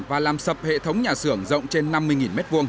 và làm sập hệ thống nhà xưởng rộng trên năm mươi m hai